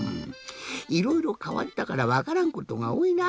いろいろかわったからわからんことがおおいな。